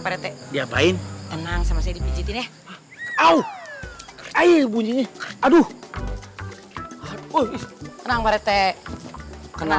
pak rete diapain tenang sama saya dipijetin ya au ayo bunyinya aduh woi tenang pak rete kenal